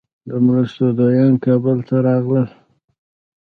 مرستندویان کابل ته راغلل.